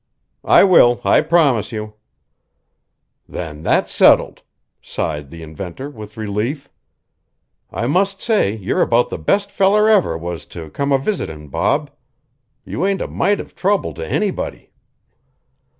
"I will, I promise you." "Then that's settled," sighed the inventor with relief. "I must say you're about the best feller ever was to come a visitin', Bob. You ain't a mite of trouble to anybody."